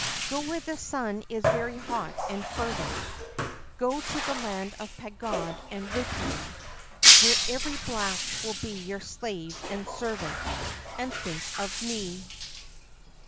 Go where the sun is very hot and fervent, Go to the land of pagod and rupee, Where every black will be your slave and servant, And think of me!